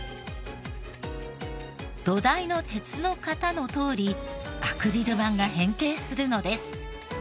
土台の鉄の型のとおりアクリル板が変形するのです。